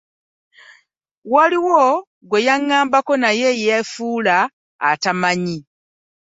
Waliwo gwe nagambako naye yeefuula atamanyi.